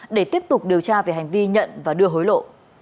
để tiếp tục điều tra về hành vi nhận và đưa hối lộ